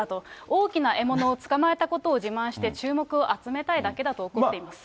大きな獲物を捕まえたことを自慢して、注目を集めたいだけだと、怒っています。